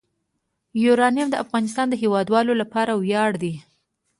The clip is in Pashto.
یورانیم د افغانستان د هیوادوالو لپاره ویاړ دی.